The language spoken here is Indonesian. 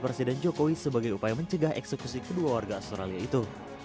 presiden jokowi sebagai upaya mencegah eksekusi kedua warga australia itu